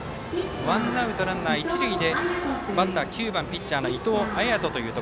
ワンアウト、ランナー、一塁でバッター９番ピッチャーの伊藤彩斗。